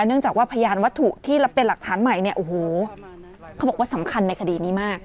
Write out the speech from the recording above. เนื่องจากว่าพยานวัตถุที่รับเป็นหลักฐานใหม่เนี่ยโอ้โหเขาบอกว่าสำคัญในคดีนี้มาก